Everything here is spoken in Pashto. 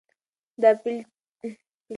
دا پلېټفارم پراخ شو.